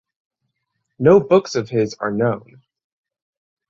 No books of his are known.